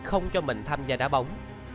không cho mình tham gia đá bóng